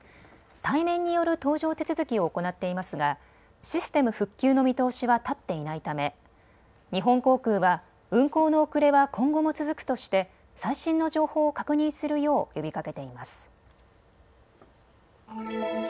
対面による搭乗手続きを行っていますがシステム復旧の見通しは立っていないため日本航空は運航の遅れは今後も続くとして最新の情報を確認するよう呼びかけています。